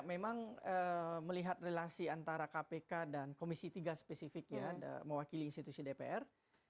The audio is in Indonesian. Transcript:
memang melihat relasi antara kpk dan komisi tiga spesifik ya mewakili institusi dpr